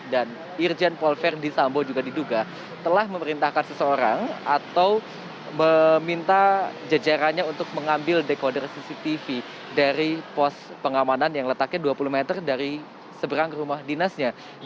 dan irjen polver di sambo juga diduga telah memerintahkan seseorang atau meminta jajarannya untuk mengambil dekoder cctv dari pos pengamanan yang letaknya dua puluh meter dari seberang rumah dinasnya